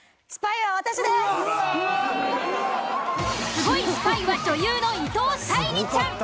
スゴいスパイは女優の伊藤沙莉ちゃん。